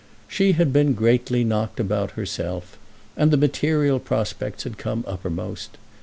She had been greatly knocked about herself, and the material prospects had come uppermost.